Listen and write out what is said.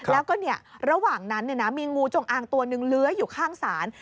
แล้วก็ระหว่างนั้นมีงูจงอางตัวหนึ่งเลื้อยอยู่ข้างศาล